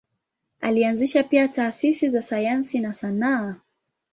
Alianzisha pia taasisi za sayansi na sanaa.